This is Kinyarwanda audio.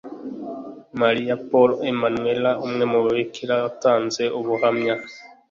Marie Paul Emmanuella umwe mu babikira watanze ubuhamya